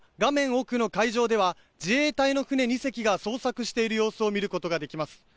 奥の海上では自衛隊の船２隻が捜索している様子を見ることができます。